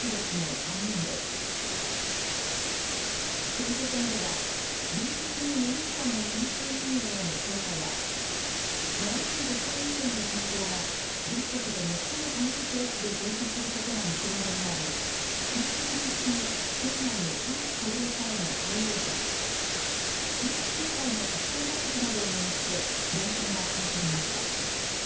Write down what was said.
選挙戦では、現職の４年間の県政運営への評価や、７５歳以上の人口が全国で最も速いペースで増加することが見込まれるなど、急速に進む県内の少子高齢化への対応策、地域経済の活性化策などを巡って、論戦が交わされました。